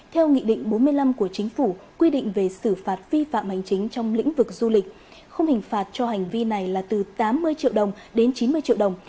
theo nghị định bốn mươi năm của chính phủ quy định về xử phạt vi phạm hành chính trong lĩnh vực du lịch không hình phạt cho hành vi này là từ tám mươi triệu đồng đến chín mươi triệu đồng